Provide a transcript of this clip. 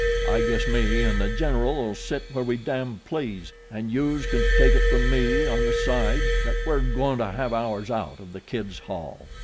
"I guess me an' The General'll sit where we damn please, an' youse can take it from me on the side that we're goin' to have ours out of The Kid's haul.